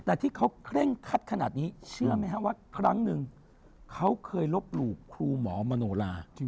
แต่ที่เขาเคร่งคัดขนาดนี้เชื่อไหมครับว่าครั้งหนึ่งเขาเคยลบหลู่ครูหมอมโนลา